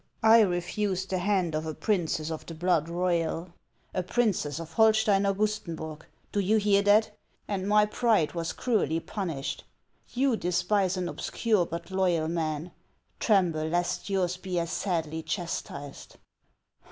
I refused the hand of a princess of the blood royal, a princess of Holstein Augustenburg, — do you hear that ?— and my pride was cruelly punished. You despise an obscure but loyal man ; tremble lest yours be as sadly chastised."